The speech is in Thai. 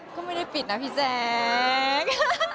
ก็ไม่ได้ปิดนะพี่แจ๊ค